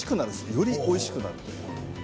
よりおいしくなるんです。